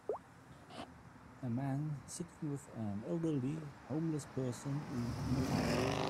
A man sitting with an elderly homeless person in a park.